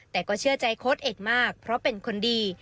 แต่ก็เชื่อใจโค้ดเอกมากเพราะเป็นคนดี